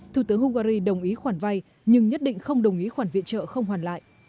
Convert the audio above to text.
thủ tướng hungary đồng ý khoản vay nhưng nhất định không đồng ý khoản viện trợ không hoàn lại